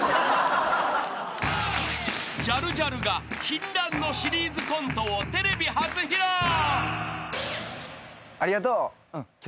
［ジャルジャルが禁断のシリーズコントをテレビ初披露］